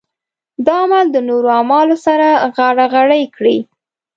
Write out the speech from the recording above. دا عمل د نورو اعمالو سره غاړه غړۍ کړي.